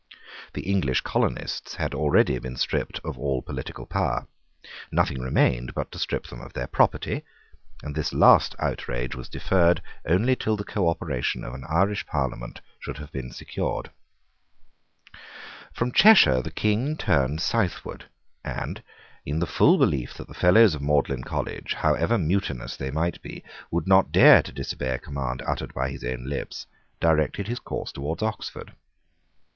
The English colonists had already been stripped of all political power. Nothing remained but to strip them of their property; and this last outrage was deferred only till the cooperation of an Irish Parliament should have been secured. From Cheshire the King turned southward, and, in the full belief that the Fellows of Magdalene College, however mutinous they might be, would not dare to disobey a command uttered by his own lips, directed his course towards Oxford.